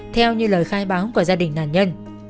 theo như lời khai báo của gia đình nạn nhân